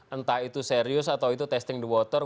entah itu serius atau itu testing the water